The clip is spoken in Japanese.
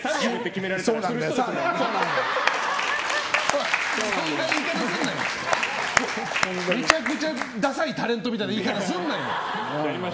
めちゃくちゃダサいタレントみたいな言い方するなよ。